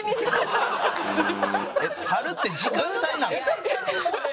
猿って時間帯なんですか？